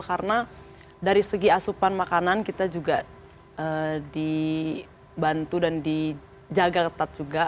karena dari segi asupan makanan kita juga dibantu dan dijaga ketat juga